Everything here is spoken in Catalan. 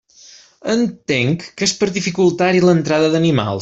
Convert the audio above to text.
Entenc que és per dificultar-hi l'entrada d'animals.